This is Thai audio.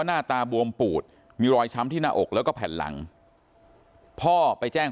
หน้าตาบวมปูดมีรอยช้ำที่หน้าอกแล้วก็แผ่นหลังพ่อไปแจ้ง